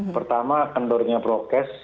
pertama kendalnya prokes